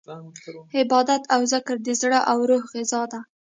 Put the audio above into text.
عبادت او ذکر د زړه او روح غذا ده.